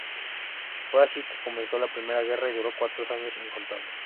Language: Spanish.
Fue así que comenzó la primera guerra y duró años incontables.